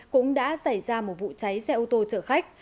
cũng đã xảy ra một vụ cháy xe ô tô chở khách